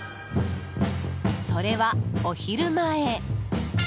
それは、お昼前。